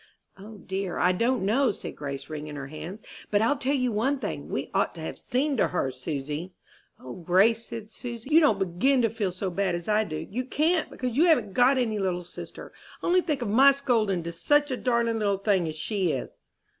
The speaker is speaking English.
"O dear, I don't know," said Grace, wringing her hands; "but I'll tell you one thing we ought to have seen to her, Susy!" "O Grace," said Susy, "you don't begin to feel so bad as I do you can't, because you haven't got any little sister. Only think of my scolding to such a darling little thing as she is!"